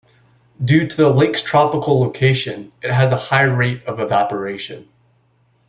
Due to the lake's tropical location, it has a high rate of evaporation.